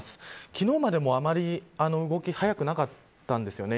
昨日までも、あまり動き速くなかったんですよね。